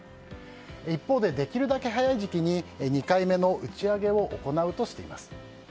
一方で、できるだけ早い時期に２回目の打ち上げを行うとしています。